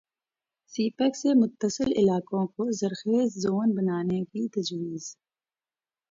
سی pack سے متصل علاقوں کو ذرخیز زون بنانے کی تجویز